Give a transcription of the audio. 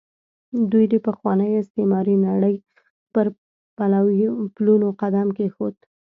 دوی د پخوانۍ استعماري نړۍ پر پلونو قدم کېښود.